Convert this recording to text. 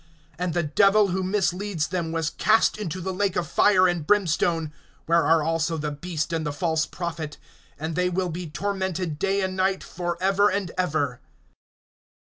(10)And the Devil who misleads them was cast into the lake of fire and brimstone, where are also the beast and the false prophet; and they will be tormented day and night forever and ever.